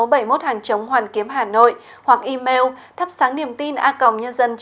bảy người không có quy định vụ tài liệu không có điều kiện sử dụng tài liệu của những kế hoạch